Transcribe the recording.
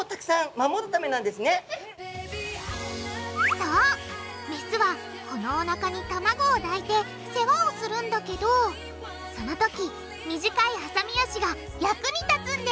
そうメスはこのおなかに卵を抱いて世話をするんだけどそのとき短いはさみ脚が役に立つんです。